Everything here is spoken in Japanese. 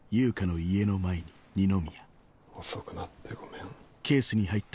遅くなってごめん。